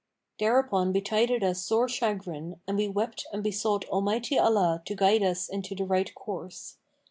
Thereupon betided us sore chagrin and we wept and besought Almighty Allah to guide us into the right course.